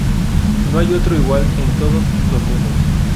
No hay otro igual en todos los mundos".